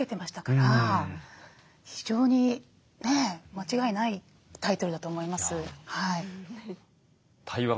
非常にねえ間違いないタイトルだと思います。